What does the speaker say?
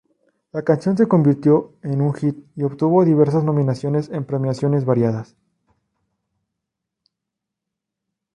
La canción se convirtió en un hit y obtuvo diversas nominaciones en premiaciones variadas.